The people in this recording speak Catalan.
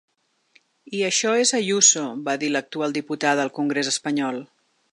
I això és Ayuso, va dir l’actual diputada al congrés espanyol.